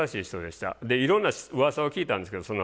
いろんなうわさを聞いたんですけどその前に。